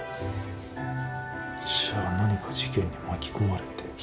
じゃあ何か事件に巻き込まれて。